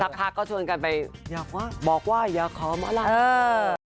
พักก็ชวนกันไปอยากบอกว่าอยากขอเมื่อไหร่